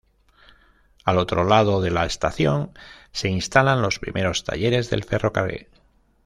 Al otro lado de la estación se instalan los primeros talleres del ferrocarril.